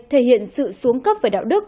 thể hiện sự xuống cấp về đạo đức